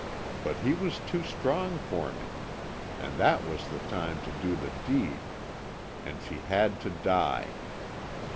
But he was too strong for me, and that was the time to do the deed, and she had to die.